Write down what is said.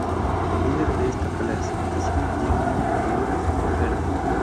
El líder de esta clasificación lleva un maillot verde.